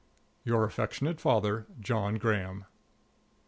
Your affectionate father, JOHN GRAHAM.